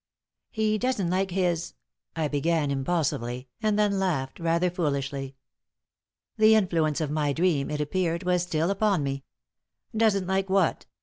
"He doesn't like his " I began, impulsively, and then laughed, rather foolishly. The influence of my dream, it appeared, was still upon me. "Doesn't like what?"